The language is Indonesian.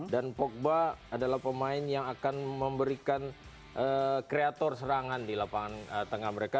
dan pogba adalah pemain yang akan memberikan kreator serangan di lapangan tengah mereka